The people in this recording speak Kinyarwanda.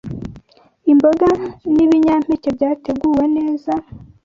imboga n’ibinyampeke byateguwe neza